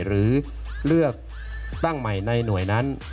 หรือเลือกตั้งใหม่ในหน่วยนั้น